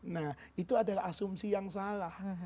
nah itu adalah asumsi yang salah